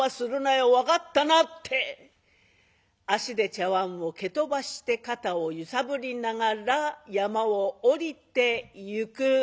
分かったな」って足で茶わんを蹴飛ばして肩を揺さぶりながら山を下りてゆく。